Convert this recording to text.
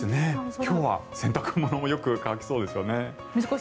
今日は洗濯物もよく乾きそうですよね。